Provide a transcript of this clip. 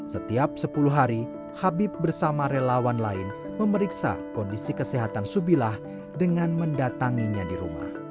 setiap sepuluh hari habib bersama relawan lain memeriksa kondisi kesehatan subilah dengan mendatanginya di rumah